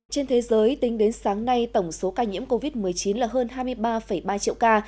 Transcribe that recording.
trên thế giới tính đến sáng nay tổng số ca nhiễm covid một mươi chín là hơn hai mươi ba ba triệu ca